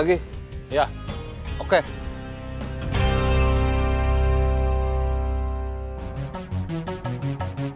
aku sudah mencoba untuk mencoba